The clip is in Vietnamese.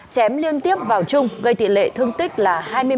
chém liên tiếp vào trung gây tỷ lệ thương tích là hai mươi một